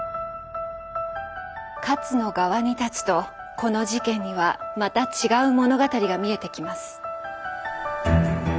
勝の側に立つとこの事件にはまた違う物語が見えてきます。